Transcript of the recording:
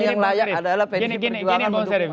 yang layak adalah pd perjuangan mendukung ahok